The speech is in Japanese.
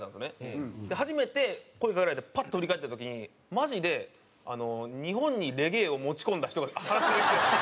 初めて声かけられてパッと振り返った時にマジで日本にレゲエを持ち込んだ人が話しかけてきた。